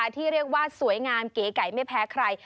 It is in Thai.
ที่เรียกว่าสวยงามเก๋ไก่ไม่แพ้ใคร